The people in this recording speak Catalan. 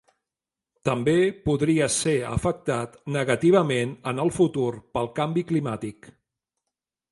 També podria ser afectat negativament en el futur pel canvi climàtic.